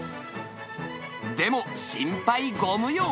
でも、心配ご無用。